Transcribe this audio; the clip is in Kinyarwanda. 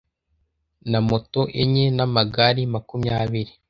Na moto enye n amagari makumyabiri